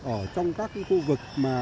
ở trong các khu vực